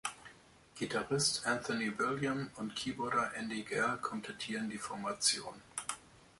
Gitarrist Anthony William und Keyboarder Andy Gall komplettieren die Formation.